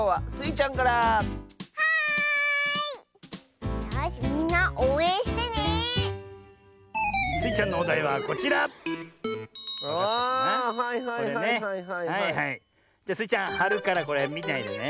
じゃスイちゃんはるからこれみないでね。